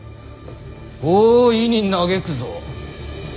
大いに嘆くぞ！